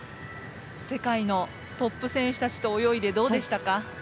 世界のトップ選手たちと泳いでどうでしたか？